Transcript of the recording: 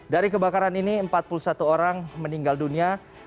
dari kebakaran ini empat puluh satu orang meninggal dunia